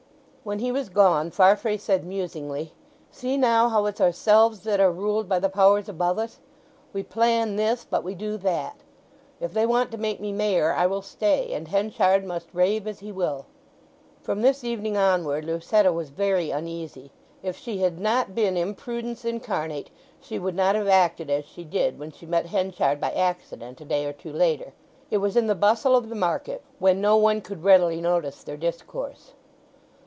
When he was gone Farfrae said musingly, "See now how it's ourselves that are ruled by the Powers above us! We plan this, but we do that. If they want to make me Mayor I will stay, and Henchard must rave as he will." From this evening onward Lucetta was very uneasy. If she had not been imprudence incarnate she would not have acted as she did when she met Henchard by accident a day or two later. It was in the bustle of the market, when no one could readily notice their discourse.